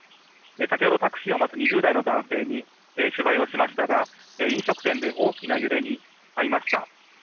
先ほどタクシーを待つ２０代の男性に取材をしましたが飲食店で大きな揺れに遭いました。